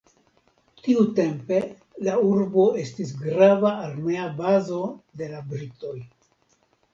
Tiutempe La urbo estis grava armea bazo de la britoj.